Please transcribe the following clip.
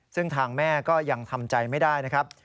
ซึ่งทางแม่ก็ยังทำใจไม่ได้นะครับ